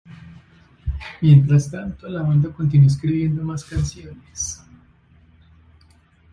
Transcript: Mientras tanto, la banda continuó escribiendo más canciones.